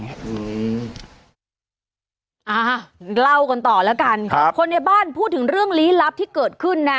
อ่าเล่ากันต่อแล้วกันครับคนในบ้านพูดถึงเรื่องลี้ลับที่เกิดขึ้นนะ